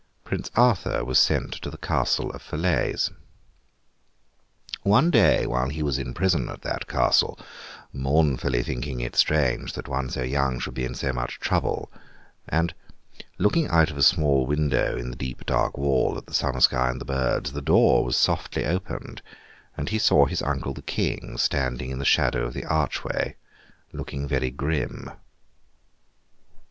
Prince Arthur was sent to the castle of Falaise. One day, while he was in prison at that castle, mournfully thinking it strange that one so young should be in so much trouble, and looking out of the small window in the deep dark wall, at the summer sky and the birds, the door was softly opened, and he saw his uncle the King standing in the shadow of the archway, looking very grim.